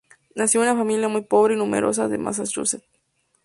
Nació en una familia muy pobre y numerosa de Massachusetts.